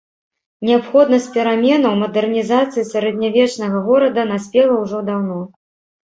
Неабходнасць пераменаў, мадэрнізацыі сярэднявечнага горада, наспела ўжо даўно.